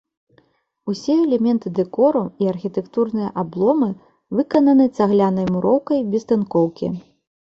Усе элементы дэкору і архітэктурныя абломы выкананы цаглянай муроўкай без тынкоўкі.